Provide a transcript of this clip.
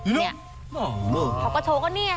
เนี่ยเขาก็โชว์ก็เนี่ย